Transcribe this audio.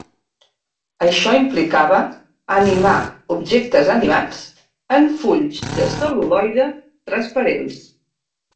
Això implicava animar objectes animats en fulls de cel·luloide transparents.